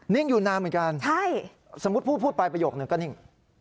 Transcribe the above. นิ่งอยู่นานเหมือนกันสมมุติพูดไปประโยคนึงก็นิ่ง